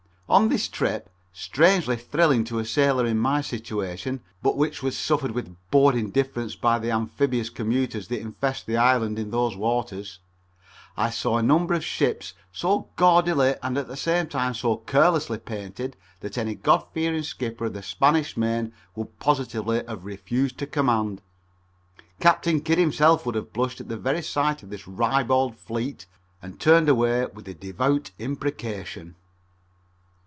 On this trip, strangely thrilling to a sailor in my situation, but which was suffered with bored indifference by the amphibious commuters that infest this Island in those waters, I saw a number of ships so gaudily and at the same time so carelessly painted that any God fearing skipper of the Spanish Main would positively have refused to command. Captain Kidd himself would have blushed at the very sight of this ribald fleet and turned away with a devout imprecation.